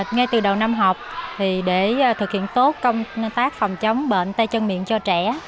ngay từ đầu năm học để thực hiện tốt công tác phòng chống bệnh tay chân miệng cho trẻ